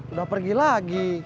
udah pergi lagi